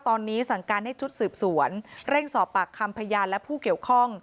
ตอนนี้สั่งการให้ชุดสืบสวนเร่งสอบปากคำพยานและผู้เกี่ยวข้อง